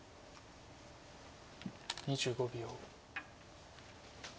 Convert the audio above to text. ２５秒。